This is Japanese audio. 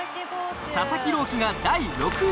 佐々木朗希が第６位に。